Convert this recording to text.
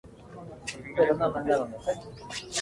Es nativo de Colombia, Trinidad y Tobago y Venezuela.